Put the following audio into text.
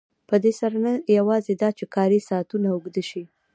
په دې سره نه یوازې دا چې کاري ساعتونه اوږده شي